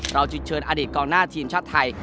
จึงเชิญอดีตกองหน้าทีมชาติไทย